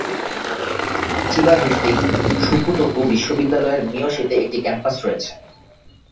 চিবা-ভিত্তিক শুকুতোকু বিশ্ববিদ্যালয়ের মিয়োশিতে একটি ক্যাম্পাস রয়েছে।